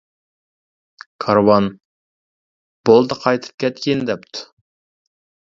كارۋان : بولدى قايتىپ كەتكىن دەپتۇ.